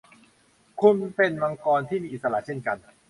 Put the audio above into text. คุณเป็นมังกรที่มีอิสระเช่นกัน